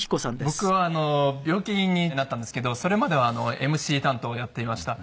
僕は病気になったんですけどそれまではＭＣ担当をやっていました。